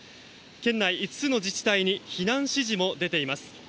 県内５つの自治体に避難指示も出ています。